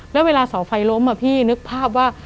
แล้วเวลาเสาไฟล้มพี่นึกภาพว่า